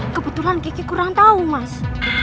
kebetulan kiki kurang tahu mas